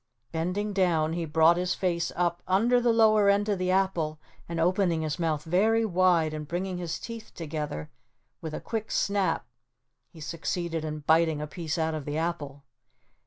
Bending down, he brought his face up under the lower end of the apple and opening his mouth very wide and bringing his teeth together with a quick snap he succeeded in biting a piece out of the apple.